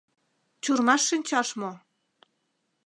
— Чурмаш шинчаш мо?..